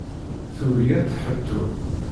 Tugi ad tt-tettu.